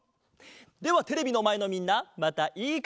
ではテレビのまえのみんなまたいいかげであおう！